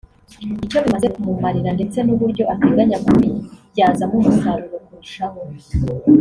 icyo bimaze kumumarirra ndetse n’uburyo ateganya kubibyazamo umusaruro kurushaho